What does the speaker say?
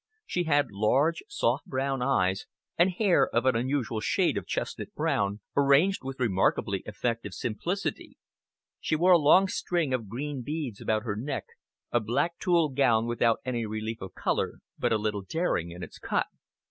She had large, soft brown eyes, and hair of an unusual shade of chestnut brown, arranged with remarkably effective simplicity. She wore a long string of green beads around her neck, a black tulle gown without any relief of colour, but a little daring in its cut.